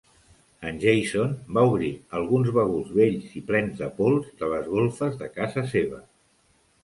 En Jason va obrir alguns baguls vells i plens de pols de les golfes de casa seva.